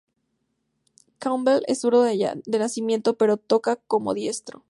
Campbell es zurdo de nacimiento, pero toca como diestro.